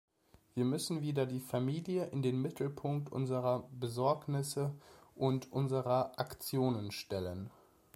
Wir müssen wieder die Familie in den Mittelpunkt unserer Besorgnisse und unserer Aktionen stellen.